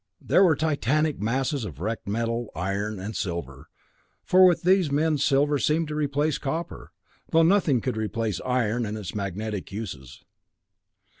There were titanic masses of wrecked metal, iron and silver, for with these men silver seemed to replace copper, though nothing could replace iron and its magnetic uses.